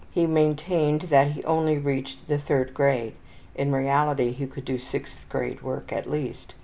He maintained that he only reached the third grade. (In reality he could do sixth grade work at least.)